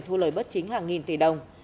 thu lời bất chính hàng nghìn tỷ đồng